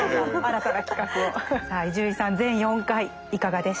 さあ伊集院さん全４回いかがでしたか。